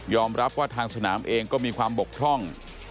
รับว่าทางสนามเองก็มีความบกพร่อง